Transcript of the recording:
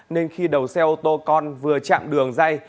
nên khi đầu xe ô tô con vừa chạm đường dây